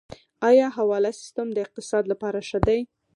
آیا حواله سیستم د اقتصاد لپاره ښه دی؟